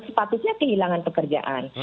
sepatutnya kehilangan pekerjaan